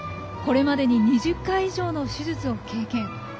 これまでに２０回以上の手術を経験。